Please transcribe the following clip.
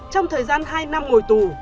trong thời gian hai năm ngồi tù